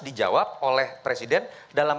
dijawab oleh presiden dalam